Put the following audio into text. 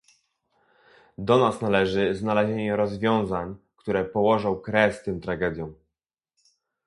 Do nas należy znalezienie rozwiązań, które położą kres tym tragediom